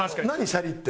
シャリって。